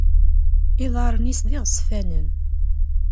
Iḍaṛṛen-is d iɣezzfanen.